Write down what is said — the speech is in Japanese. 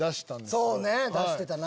そうね出してたなぁ。